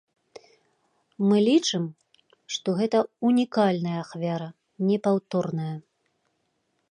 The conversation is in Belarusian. Мы лічым, што гэта ўнікальная ахвяра, непаўторная.